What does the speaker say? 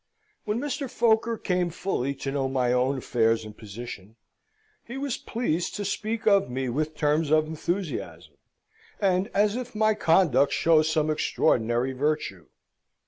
When Mr. Foker came fully to know my own affairs and position, he was pleased to speak of me with terms of enthusiasm, and as if my conduct showed some extraordinary virtue.